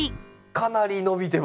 かなり伸びてますね。